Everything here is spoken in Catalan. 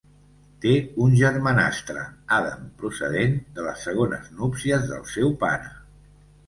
Té un germanastre, Adam, procedent de les segones núpcies del seu pare.